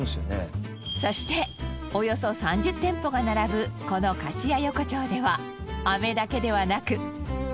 そしておよそ３０店舗が並ぶこの菓子屋横丁では飴だけではなく。